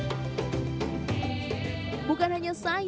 bukan hanya saya yang merasakan nikmatnya nampaknya